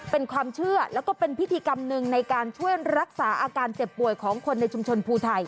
เป็นความเชื่อแล้วก็เป็นพิธีกรรมหนึ่งในการช่วยรักษาอาการเจ็บป่วยของคนในชุมชนภูไทย